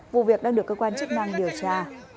vụ việc đang được cơ quan chức năng điều tra